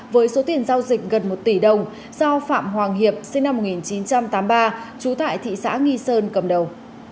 với số tiền giao dịch gần một tỷ đồng do phạm hoàng hiệp sinh năm một nghìn chín trăm tám mươi ba trú tại thị xã nghi sơn cầm đầu